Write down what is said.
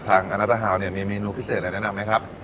ทางอันตราฮาลมีเมนูพิเศษอะไรแนะนำไหมครับ